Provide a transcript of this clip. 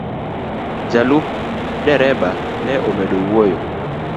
Ja lup dereba ne omedo wuoyo.